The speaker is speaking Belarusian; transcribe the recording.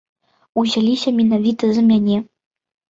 Узяліся менавіта за мяне.